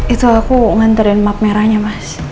itu aku nganterin map merahnya mas